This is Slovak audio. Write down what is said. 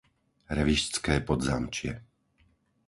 Revištské Podzámčie